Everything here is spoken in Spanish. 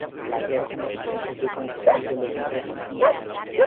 Su trabajo más importante fue como Presidente de la Agencia en Argentina.